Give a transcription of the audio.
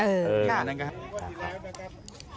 ค่ะ